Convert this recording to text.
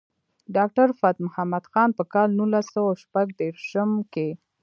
ډاکټر فتح مند خان پۀ کال نولس سوه شپږ دېرشم کښې